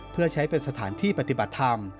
เพื่อใช้เป็นสถานที่ปฏิบัติธรรม